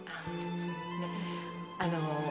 そうですね。